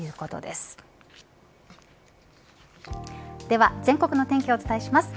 では全国の天気をお伝えします。